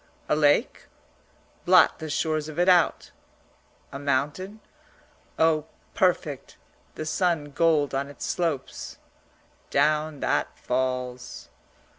A lake? Blot the shores of it out! A mountain? Oh, perfect the sun gold on its slopes. Down that falls.